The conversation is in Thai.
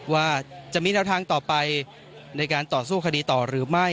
ว่าจะมีแนวทางต่อไปในการต่อสู้คดีต่อหรือไม่